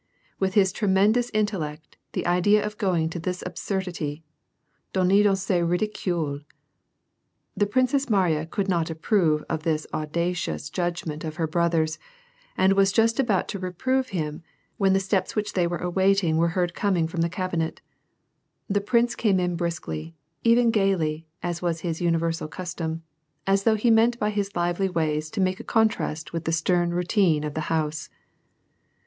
"With his tremendous intellect, the idea of going into this absurdity — danner dans ee ridicule /" The Princess Mariya could not approve of this audacious judgment of her brother's, and was just about to reprove him, when the steps which they were awaiting were heard coming from the cabinet. The prince came in briskly, even gayly, as was his universal custom, as though he meant by his lively ways to make a contrast with the stern routine of the house.